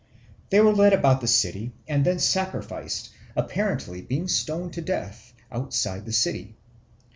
They were led about the city and then sacrificed, apparently by being stoned to death outside the city.